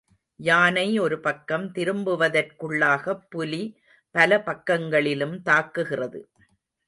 யானை ஒரு பக்கம் திரும்புவதற்குள்ளாகப் புலி பல பக்கங்களிலும் தாக்குகிறது.